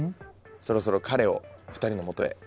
そろそろ彼を二人のもとへ。